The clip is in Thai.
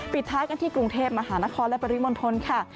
ปิดท้ายกันที่กรุงเทพมหานครและปริมณฑลค่ะ